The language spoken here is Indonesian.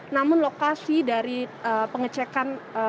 namun lokasi dari pengecekan